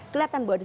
kelihatan buat dia